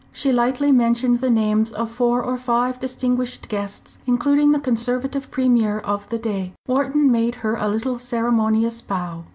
She lightly mentioned the names of four or five distinguished guests, including the Conservative Premier of the day. Wharton made her a little ceremonious bow.